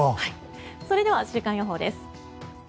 それでは週間予報です。